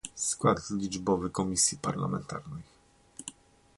Skład liczbowy komisji parlamentarnych